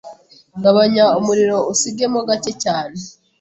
gabanya umuriro usigemo gake cyane,